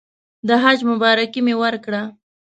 د حج مبارکي مې ورکړه.